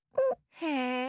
へえ！